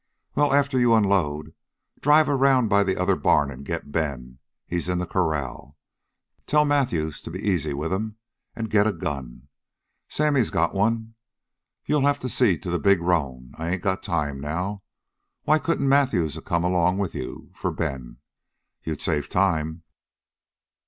"Well, after you unload, drive around by the other barn and get Ben. He's in the corral. Tell Matthews to be easy with 'm. An' get a gun. Sammy's got one. You'll have to see to the big roan. I ain't got time now. Why couldn't Matthews a come along with you for Ben? You'd save time."